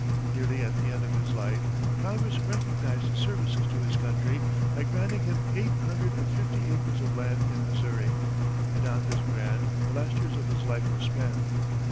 Nearly at the end of his life, Congress recognized his services to his country by granting him eight hundred and fifty acres of land in Missouri, and on this grant, the last years of his life were spent.